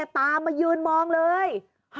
ตามมายืนมองเลย